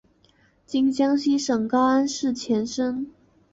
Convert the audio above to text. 今江西省高安市前身。